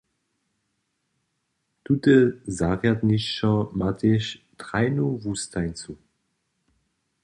Tute zarjadnišćo ma tež trajnu wustajeńcu.